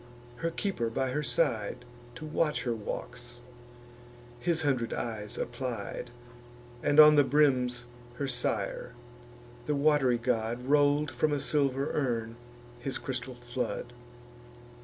Her keeper by her side, To watch her walks, his hundred eyes applied; And on the brims her sire, the wat'ry god, Roll'd from a silver urn his crystal flood.